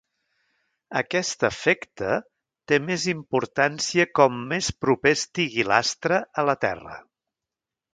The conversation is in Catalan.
Aquest efecte té més importància com més proper estigui l'astre a la Terra.